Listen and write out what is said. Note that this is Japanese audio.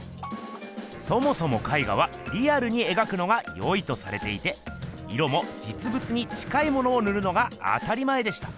そもそも絵画はリアルに描くのがよいとされていて色もじつぶつに近いものをぬるのが当たり前でした。